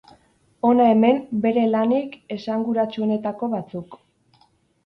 Hona hemen bere lanik esanguratsuenetako batzuk.